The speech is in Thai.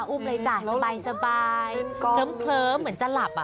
อุ้มเลยจ้ะสบายเคลิ้มเหมือนจะหลับ